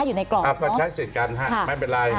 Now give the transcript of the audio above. อยู่ในกล่องก็ใช้สิทธิ์กันฮะไม่เป็นไร